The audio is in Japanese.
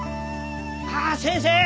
あっ先生